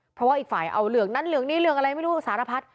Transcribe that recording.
เพราะว่าอีกฝ่ายเอาเหลืองนั้นเหลืองนี้เหลืองอะไรไม่รู้สารพัด